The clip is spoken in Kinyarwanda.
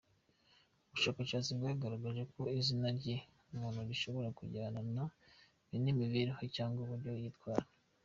Ubushakashatsi bwagaragaje ko izina ry’umuntu rishobora kujyana n’imibereho cyangwa uburyo yitwara.